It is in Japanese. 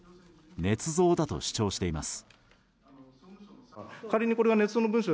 ねつ造だと主張しています。